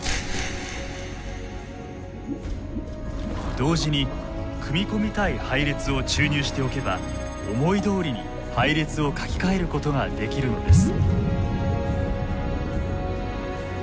同時に組み込みたい配列を注入しておけば思いどおりに配列を書きかえることができるのです。